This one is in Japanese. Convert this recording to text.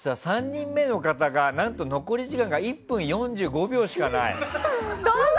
３人目の方が何と残り時間が１分４５秒しかないと。